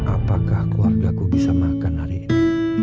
apakah keluarga ku bisa makan hari ini